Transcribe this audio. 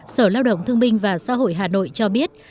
sở lao động thương minh và xã hội hà nội cho biết